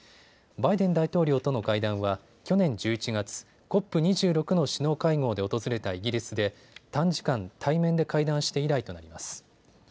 バイデン大統領との会談は去年１１月、ＣＯＰ２６の首脳会合で訪れたイギリスで短時間、対面で会談して以来となります。